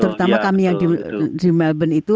terutama kami yang di melbourne itu